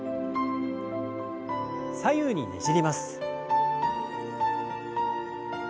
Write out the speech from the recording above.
左右にねじります。